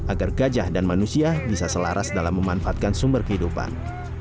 agar gajah dan manusia bisa selaras dalam memanfaatkan sumber kehidupan